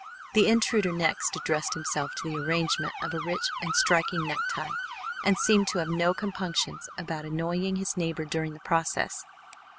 The intruder next addressed himself to the arrangement of a rich and striking necktie, and seemed to have no compunctions about annoying his neighbor during the process.